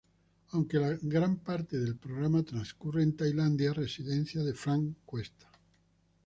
Aunque la gran parte del programa transcurre en Tailandia, residencia de Frank Cuesta.